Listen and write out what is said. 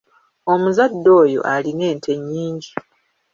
Omuzadde oyo alina ente nnyingi.